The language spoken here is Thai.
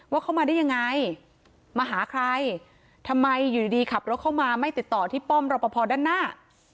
ว่าเข้ามาได้ยังไงมาหาใครทำไมอยู่ดีขับรถเข้ามาไม่ติดต่อที่ป้อมรอปภด้านหน้า